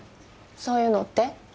「そういうの」って？